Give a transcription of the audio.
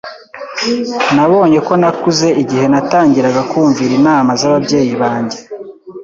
Nabonye ko nakuze igihe natangiraga kumvira inama z'ababyeyi banjye.